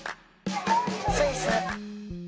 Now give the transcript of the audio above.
スイス。